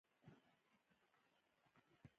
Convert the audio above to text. هغه نوي تولیدي ماشینونه په کار اچوي